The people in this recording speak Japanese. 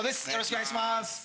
お願いします。